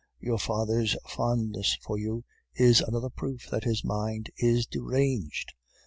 Your father's fondness for you is another proof that his mind is deranged.